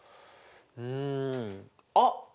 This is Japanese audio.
うんあっ！